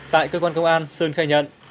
tại cơ quan công an sơn khai nhận